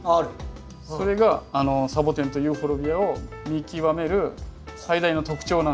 それがサボテンとユーフォルビアを見極める最大の特徴なんですよ。